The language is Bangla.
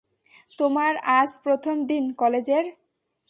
তোমার আজ প্রথম দিন কলেজের?